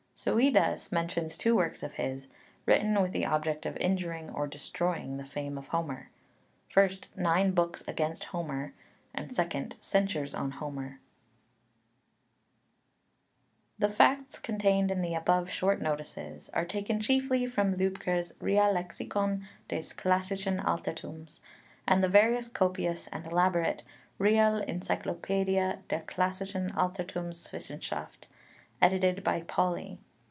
Suidas mentions two works of his, written with the object of injuring or destroying the fame of Homer (1) Nine Books against Homer; and (2) Censures on Homer (Pauly). [The facts contained in the above short notices are taken chiefly from Lübker's Reallexikon des classischen Alterthums, and the very copious and elaborate Real Encyclopädie der classischen Alterthumswissenschaft, edited by Pauly.